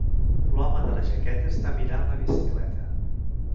L'home de la jaqueta està mirant la bicicleta.